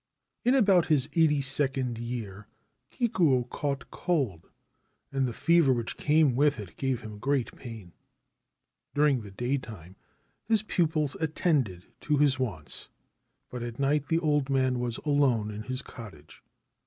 In about his eighty second year Kikuo caught cold, and the fever which came with it gave him great pain. During the daytime his pupils attended to his wants ; but at night the old man was alone in his cottage.